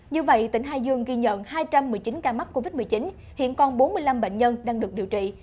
như vậy tỉnh hải dương ghi nhận hai trăm một mươi chín ca mắc covid một mươi chín hiện còn bốn mươi năm bệnh nhân đang được điều trị